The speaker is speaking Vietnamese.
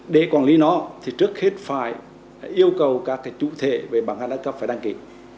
để quản lý nó thì trước hết phải yêu cầu các chủ thể về bảng hàng đa cấp phải đăng ký